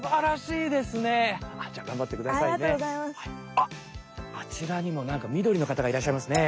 あっあちらにもなんかみどりのかたがいらっしゃいますね。